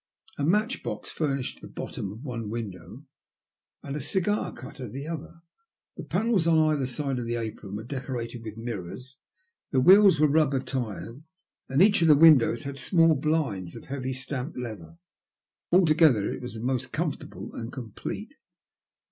A match box furnished the bottom of one window, and a cigar cutter the other; the panels on either side of the apron were decorated with mirrors ; the wheels were rubber tyred, and each of the windows had small blinds of heavy stamped leather. Alto gether it was most comfortable and complete.